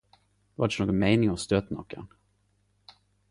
Det var ikkje meininga å støte nokon.